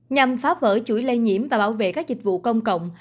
nhằm phá vỡ chuỗi lây nhiễm và bảo vệ các dịch vụ công cộng